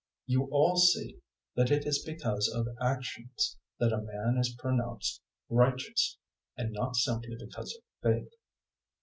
002:024 You all see that it is because of actions that a man is pronounced righteous, and not simply because of faith.